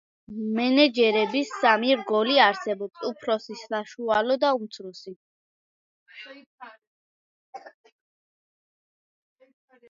მენეჯერების სამი რგოლი არსებობს: უფროსი, საშუალო და უმცროსი.